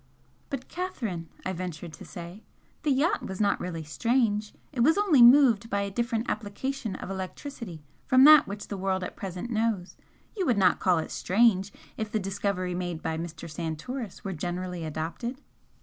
"But, Catherine," I ventured to say "the yacht was not really 'strange,' it was only moved by a different application of electricity from that which the world at present knows. You would not call it 'strange' if the discovery made by Mr. Santoris were generally adopted?"